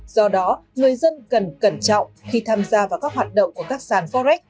do đó người dân cần cẩn trọng khi tham gia vào các hoạt động của các sàn forex